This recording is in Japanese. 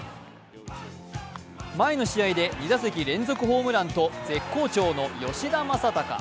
前の試合で２打席連続ホームランと絶好調の吉田正尚。